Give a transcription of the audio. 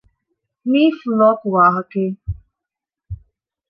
މީ ފުލޯކު ވާހަކައެއް